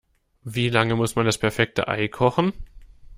Wie lange muss man das perfekte Ei kochen?